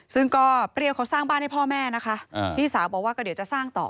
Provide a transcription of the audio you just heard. ซึ่งก็เปรี้ยวเขาสร้างบ้านให้พ่อแม่นะคะพี่สาวบอกว่าก็เดี๋ยวจะสร้างต่อ